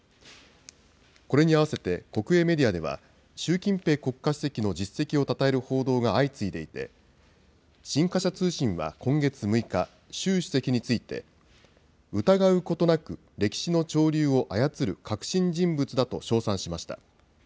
これに合わせて国営メディアでは、習近平国家主席の実績をたたえる報道が相次いでいて、新華社通信は今月６日、習主席について、疑うことなく歴史の潮流を操る核心人物だと称賛しました。